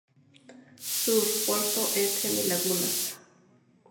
Sur: Puerto Eten y Lagunas.